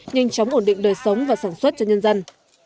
nhanh chóng ổn định đời sống và sản xuất cho nhân dân